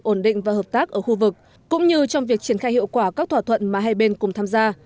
ổn định và hợp tác ở khu vực cũng như trong việc triển khai hiệu quả các thỏa thuận mà hai bên cùng tham gia